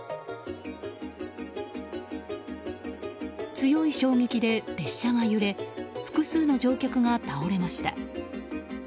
強い衝撃で列車が揺れ複数の乗客が倒れました。